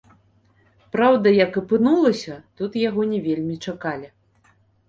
Праўда, як апынулася, тут яго не вельмі чакалі.